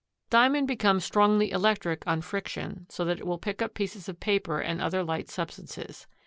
Diamond becomes strongly electric on friction so that it will pick up pieces of paper and other light substances.